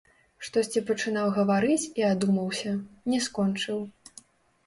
Штосьці пачынаў гаварыць і адумаўся, не скончыў.